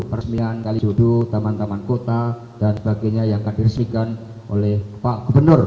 peresmian kalijodo taman taman kota dan sebagainya yang akan diresmikan oleh pak gubernur